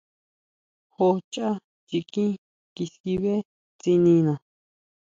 Jo chʼá chikí kiskibé tsinina.